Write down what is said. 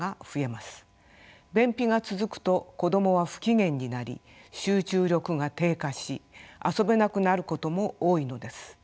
便秘が続くと子どもは不機嫌になり集中力が低下し遊べなくなることも多いのです。